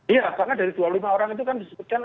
iya karena dari dua puluh lima orang itu kan disebutkan